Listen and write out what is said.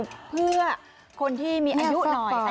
เพื่อคนที่มีอายุหน่อยอายุค่ะใช่ไหมคะนี่ฟาฝ่อ